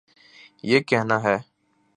یہ کہنا ہے۔